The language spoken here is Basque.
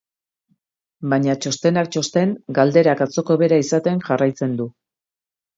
Baina, txostenak txosten, galderak atzoko bera izaten jarraitzen du.